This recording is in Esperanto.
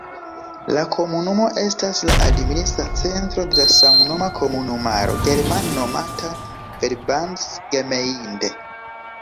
La komunumo estas la administra centro de samnoma komunumaro, germane nomata "Verbandsgemeinde".